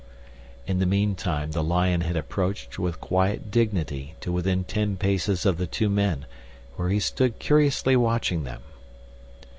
In the meantime the lion had approached with quiet dignity to within ten paces of the two men, where he stood curiously watching them.